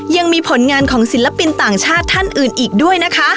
ยังมีผลงานของศิลปินต่างชาติท่านอื่นอีกด้วยนะคะ